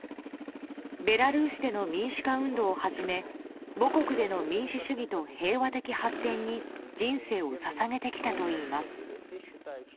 ベラルーシでの民主化運動をはじめ母国での民主主義と平和的発展に人生をささげてきたといいます。